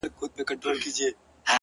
هغه زما زړه ته د کلو راهيسې لار کړې ده”